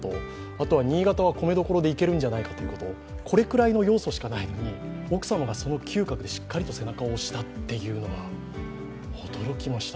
あとは新潟は米どころでいけるんじゃないかということ、このくらいの要素しかないのに、奥さんがしっかり背中を押したというのは驚きました。